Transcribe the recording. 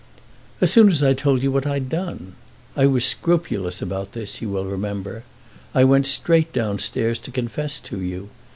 "As soon as I told you what I had done. I was scrupulous about this, you will remember; I went straight downstairs to confess to you.